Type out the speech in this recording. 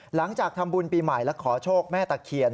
หลังจากทำบุญปีใหม่และขอโชคแม่ตะเคียน